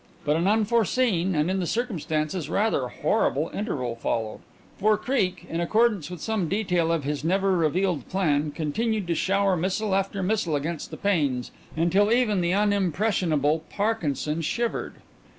But an unforeseen and in the circumstances rather horrible interval followed, for Creake, in accordance with some detail of his never revealed plan, continued to shower missile after missile against the panes until even the unimpressionable Parkinson shivered.